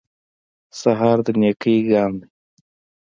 سهار د نېکۍ ګام دی.